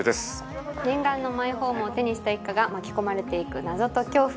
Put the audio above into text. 奈緒：念願のマイホームを手にした一家が巻き込まれていく謎と恐怖。